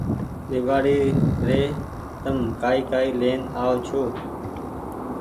ۮيوآڙي ري تم ڪآئي ڪآئي لين آئو ڇو